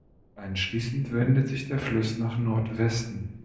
Anschließend wendet sich der Fluss nach Nordwesten.